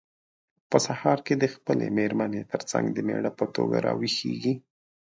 په سهار کې د خپلې مېرمن ترڅنګ د مېړه په توګه راویښیږي.